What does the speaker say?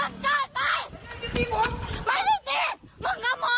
มีผู้ชายคนหนึ่งขี่มามีผู้ชายคนหนึ่งขี่มา